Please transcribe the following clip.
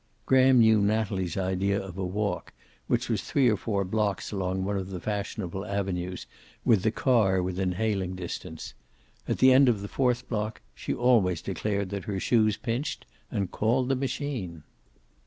Graham knew Natalie's idea of a walk, which was three or four blocks along one of the fashionable avenues, with the car within hailing distance. At the end of the fourth block she always declared that her shoes pinched, and called the machine.